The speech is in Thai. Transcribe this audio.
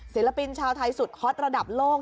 ศิลปินชาวไทยสุดฮอตระดับโลก